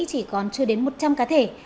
chỉ còn chưa đến một trăm linh cá thể